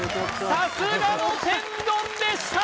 さすがの天丼でした！